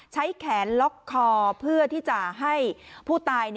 ใช้แขนล็อกคอเพื่อที่จะให้ผู้ตาย